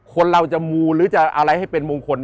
คนเราจะมูหรือจะอะไรให้เป็นมงคล